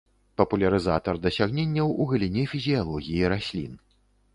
Папулярызатар дасягненняў у галіне фізіялогіі раслін.